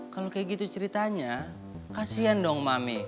kalau kayak gitu ceritanya kasian dong mami